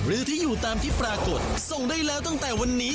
หรือที่อยู่ตามที่ปรากฏส่งได้แล้วตั้งแต่วันนี้